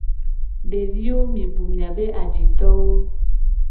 Deviwo mi bu miabe ajitowo.